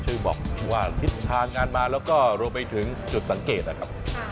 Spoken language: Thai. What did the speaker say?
ช่วยบอกว่าทิศทางงานมาแล้วก็รวมไปถึงจุดสังเกตนะครับ